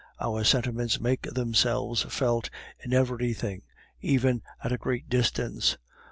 Our sentiments make themselves felt in everything, even at a great distance.